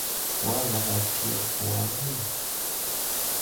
Wala watiya puani?